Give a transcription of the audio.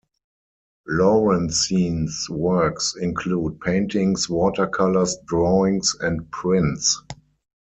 Laurencin's works include paintings, watercolors, drawings, and prints.